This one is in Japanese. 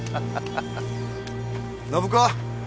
暢子！